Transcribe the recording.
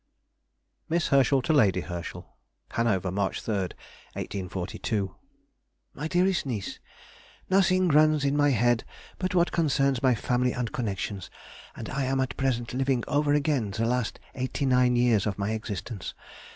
_] MISS HERSCHEL TO LADY HERSCHEL. HANOVER, March 3, 1842. MY DEAREST NIECE,— ... Nothing runs in my head but what concerns my family and connections, and I am at present living over again the last eighty nine years of my existence....